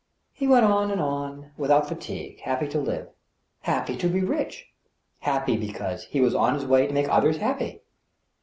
He went on and on, without fatigue, happy to live, happy to be rich, happy because he was on his way to make others happy.